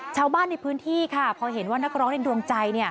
ชาวบ้านในพื้นที่ค่ะพอเห็นว่านักร้องในดวงใจ